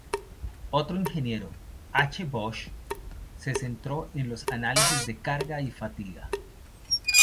Otro ingeniero, H. Bosch, se centró en los análisis de carga y fatiga.